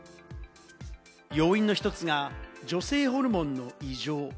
要因の１つが、女性ホルモンの異常。